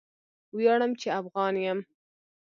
ویاړم چې افغان یم.